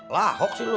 lahok sih lu